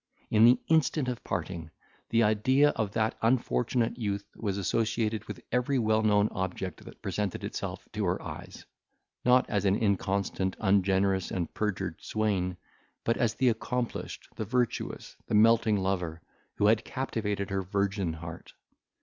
In the instant of parting, the idea of that unfortunate youth was associated with every well known object that presented itself to her eyes; not as an inconstant, ungenerous, and perjured swain, but as the accomplished, the virtuous, the melting lover, who had captivated her virgin heart.